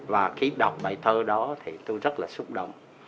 và khi đọc bài thơ đó thì tôi rất là xúc động